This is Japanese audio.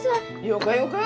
よかよか。